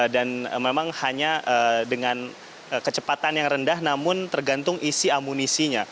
dan memang hanya dengan kecepatan yang rendah namun tergantung isi amunisinya